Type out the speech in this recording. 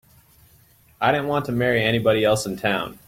I didn't want to marry anybody else in town.